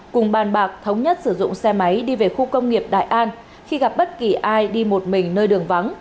cùng bàn bạc thống nhất sử dụng xe máy đi về khu công nghiệp đại an khi gặp bất kỳ ai đi một mình nơi đường vắng